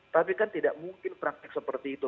tapi kan tidak mungkin praktek seperti itu